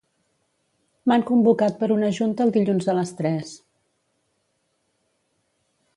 M'han convocat per una junta el dilluns a les tres.